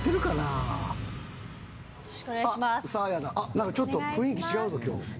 なんかちょっと雰囲気違うぞ今日。